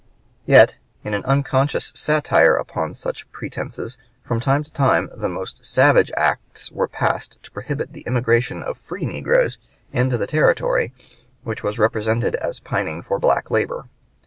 Yet, as an unconscious satire upon such pretenses, from time to time the most savage acts were passed to prohibit the immigration of free negroes into the territory which was represented as pining for black labor.